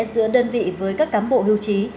giữa đơn vị với các cán bộ hiêu chí